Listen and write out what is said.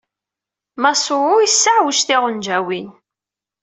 Masuo yesseɛwaǧ tiɣenǧawin.